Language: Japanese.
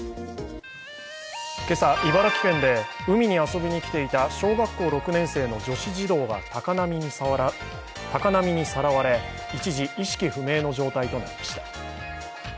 今朝、茨城県で海に遊び来ていた小学校６年生の女子児童が高波にさらわれ、一時、意識不明の状態となりました。